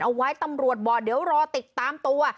เอาไว้ตำรวจบอกเดี๋ยวรอติดตามตัว